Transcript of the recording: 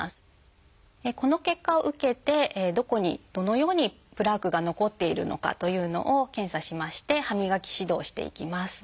この結果を受けてどこにどのようにプラークが残っているのかというのを検査しまして歯磨き指導していきます。